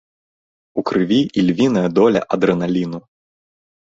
У крыві ільвіная доля адрэналіну.